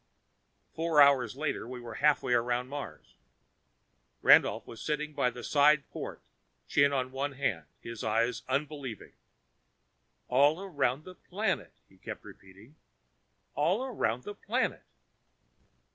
Four hours later, we were halfway around Mars. Randolph was sitting by a side port, chin on one hand, his eyes unbelieving. "All around the planet," he kept repeating. "All around the planet...."